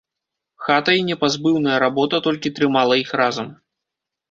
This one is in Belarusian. Хата і непазбыўная работа толькі трымала іх разам.